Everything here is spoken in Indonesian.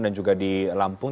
dan juga di lampung